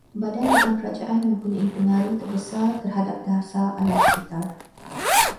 Badan bukan kerajaan mempunyai pengaruh terbesar terhadap dasar alam sekitar